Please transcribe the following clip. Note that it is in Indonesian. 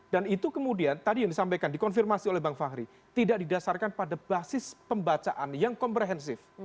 dan itu kemudian tadi yang disampaikan dikonfirmasi oleh bang fahri tidak didasarkan pada basis pembacaan yang komprehensif